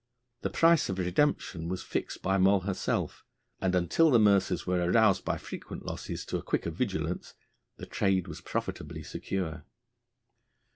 The price of redemption was fixed by Moll herself, and until the mercers were aroused by frequent losses to a quicker vigilance, the trade was profitably secure.